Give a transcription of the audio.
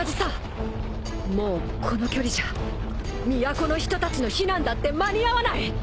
もうこの距離じゃ都の人たちの避難だって間に合わない。